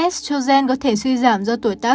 estrogen có thể suy giảm do tuổi ta